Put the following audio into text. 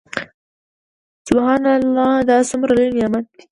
سبحان الله دا څومره لوى نعمت دى.